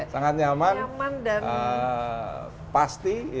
sangat nyaman dan pasti